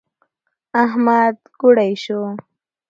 احمد ګوړۍ شو.